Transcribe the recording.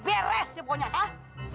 beres ya pokoknya hah